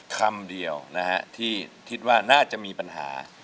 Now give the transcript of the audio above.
คำเดียวนะฮะที่คิดว่าน่าจะมีปัญหา